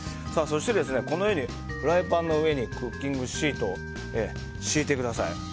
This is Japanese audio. そしてこのようにフライパンの上にクッキングシートを敷いてください。